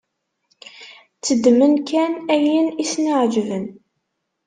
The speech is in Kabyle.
Tteddmen kan ayen i sen-iεeǧben.